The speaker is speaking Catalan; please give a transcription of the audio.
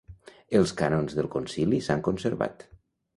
Els cànons del concili s'han conservat.